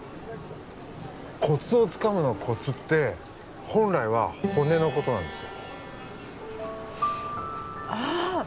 コツをつかむのコツって本来は骨のことなんですよああ